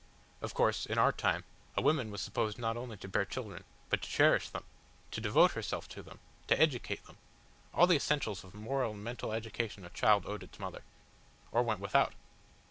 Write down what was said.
Of course, in our time, a woman was supposed not only to bear children, but to cherish them, to devote herself to them, to educate them all the essentials of moral and mental education a child owed its mother. Or went without.